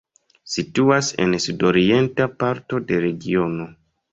Situas en sudorienta parto de regiono.